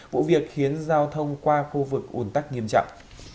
vụ việc khiến giao thông qua khu vực ủn tắc nghiêm trọng